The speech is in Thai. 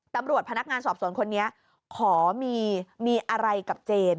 ตำรวจพนักงานสอบสวนคนนี้ขอมีอะไรกับเจน